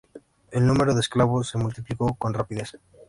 El número de esclavos se multiplicó con rapidez.